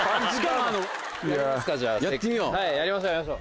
はいやりましょう。